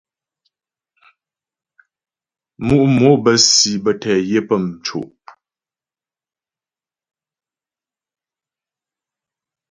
Mǔ' mò bə́ si bə́ tɛ yə pə́ mco'.